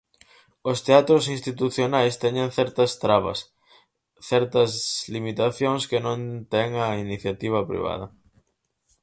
Os teatros institucionais teñen certas trabas, certas limitacións que non ten a iniciativa privada.